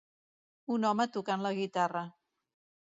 Un home tocant la guitarra.